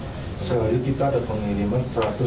dan suatu hari itu ada depan nomor yang di belas